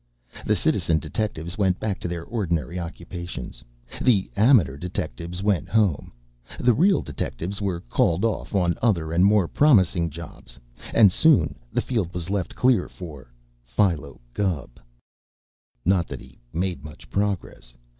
The citizen detectives went back to their ordinary occupations, the amateur detectives went home, the real detectives were called off on other and more promising jobs, and soon the field was left clear for Philo Gubb. Not that he made much progress.